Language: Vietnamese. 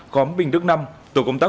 khóm bình đức năm tổ công tác